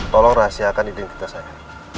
tolong rahasiakan identitas saya